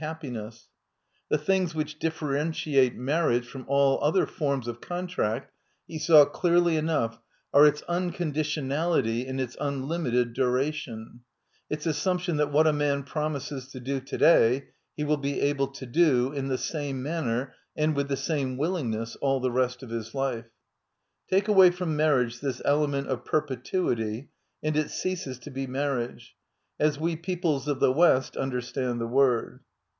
hflirr*''*^*' The things which differentiate marriage from all other forms of con tract, be saw clearly enough, are its unconditional ity and its unlimited duration — its assumption that what a man promises to do to day he will be able to do, in the same manner and with the same will ingness, all the rest of his life. Take away from marriage this element of perpetuity and it ceases to be marriage, as we peoples of the West under stand the word.